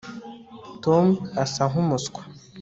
tom asa nkumuswa